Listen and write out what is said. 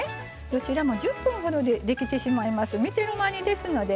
どちらも１０分ほどでできてしまうので。